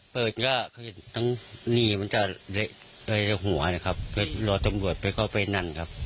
เปิดเนี่ยเหมือนไปหัวนะครับเดลอจังหวดไปเข้าไปนั่นครับ